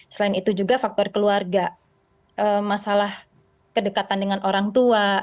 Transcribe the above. selain itu juga faktor keluarga masalah kedekatan dengan orang tua